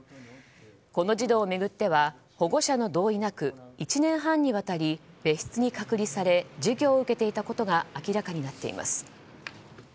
この児童を巡っては保護者の同意なく１年半にわたり、別室に隔離され授業を受けていたことが明らかになっています。